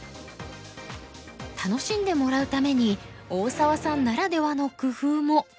楽しんでもらうために大澤さんならではの工夫も。